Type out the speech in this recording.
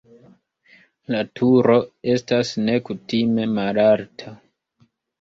La turo estas nekutime malalta.